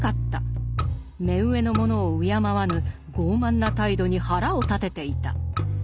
目上の者を敬わぬ傲慢な態度に腹を立てていた。